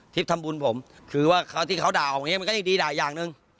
ทริปทำบุญผมคือว่าเขาที่เขาด่าออกอันนี้มันก็ยังดีด่ายังหนึ่ง